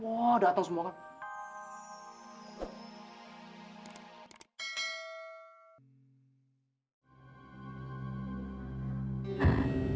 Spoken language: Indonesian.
wah dateng semua kan